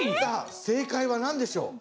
正解は何でしょう？